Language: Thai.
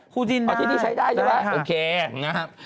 คู่จิ้นได้ได้ค่ะโอเคนะครับ